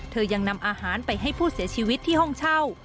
ยังนำอาหารไปให้ผู้เสียชีวิตที่ห้องเช่า